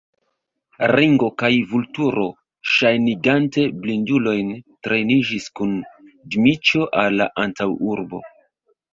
Ringo kaj Vulturo, ŝajnigante blindulojn, treniĝis kun Dmiĉjo al la antaŭurbo.